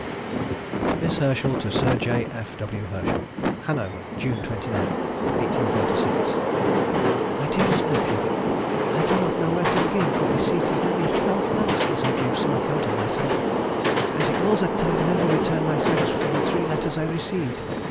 MISS HERSCHEL TO SIR J. F. W. HERSCHEL. HANOVER, June 29, 1836. MY DEAREST NEPHEW,— I do not know where to begin, for I see it is nearly a twelvemonth since I gave some account of myself, and in all that time never returned my thanks for the three letters I received....